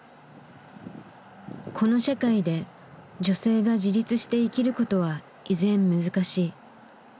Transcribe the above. この社会で女性が自立して生きることは依然難しい。